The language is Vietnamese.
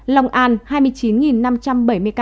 long an hai mươi chín năm trăm bảy mươi ca